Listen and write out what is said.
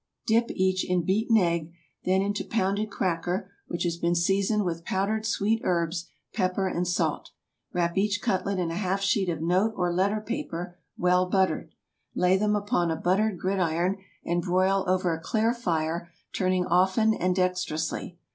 Dip each in beaten egg, then into pounded cracker which has been seasoned with powdered sweet herbs, pepper, and salt. Wrap each cutlet in a half sheet of note or letter paper, well buttered; lay them upon a buttered gridiron and broil over a clear fire, turning often and dexterously.